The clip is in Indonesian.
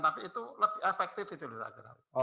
tapi itu lebih efektif itu lho